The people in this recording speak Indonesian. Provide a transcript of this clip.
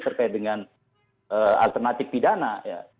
terkait dengan alternatif pidana ya